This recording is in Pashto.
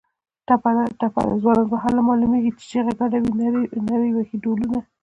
ټپه ده: ځوانان به هله معلومېږي چې چیغه ګډه وي نري وهي ډولونه